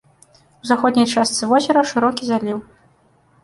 У заходняй часты возера шырокі заліў.